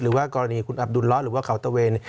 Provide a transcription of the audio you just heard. หรือว่ากรณีคุณอับดุลล้อหรือว่าเขาตะเวน